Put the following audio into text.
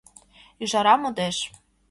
Ӱжара модеш.